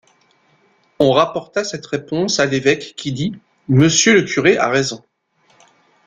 On rapporta cette réponse à l’évêque qui dit: — Monsieur le curé a raison.